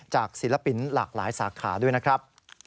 ศิลปินหลากหลายสาขาด้วยนะครับ